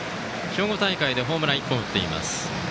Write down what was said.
兵庫大会でホームラン１本を打っています。